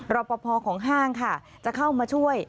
รอปภของห้างค่ะจะเข้ามาช่วย